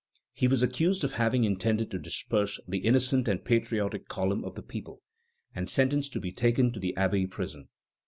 He was accused of having intended to disperse "the innocent and patriotic column of the people," and sentenced to be taken to the Abbey prison.